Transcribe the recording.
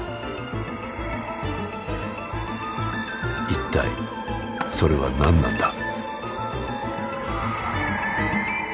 一体それは何なんだ？